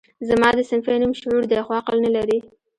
زما ده صنفي نوم شعور دی خو عقل نه لري